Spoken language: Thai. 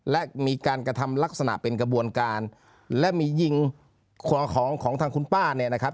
และมีการกระทำลักษณะเป็นกระบวนการและมียิงของของทางคุณป้าเนี่ยนะครับ